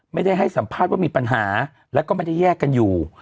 ให้สัมภาษณ์ว่ามีปัญหาแล้วก็ไม่ได้แยกกันอยู่